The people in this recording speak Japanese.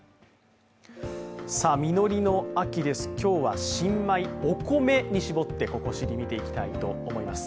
実りの秋です今日は新米、お米に絞って「ここ知り」、見ていきたいと思います。